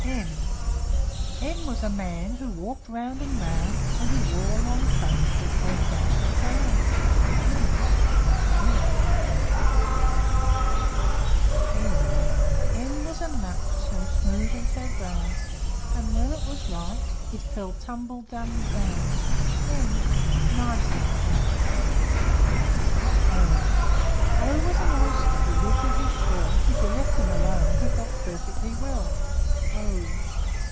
M M was a man, Who walked round and round; And he wore a long coat That came down to the ground. m! Funny old man! N N was a nut So smooth and so brown! And when it was ripe, It fell tumble dum down. n! Nice little nut! O O was an oyster, Who lived in his shell: If you let him alone, He felt perfectly well. o!